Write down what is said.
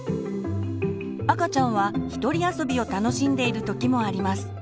赤ちゃんは一人遊びを楽しんでいる時もあります。